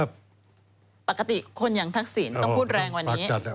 ปกติคนอย่างทักษิณต้องพูดแรงกว่านี้